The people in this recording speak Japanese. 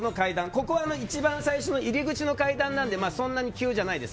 ここは一番最初の入り口の階段なのでそんなに急な階段じゃないです。